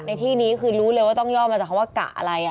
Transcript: ในที่นี้คือรู้เลยว่าต้องย่อมาจากคำว่ากะอะไร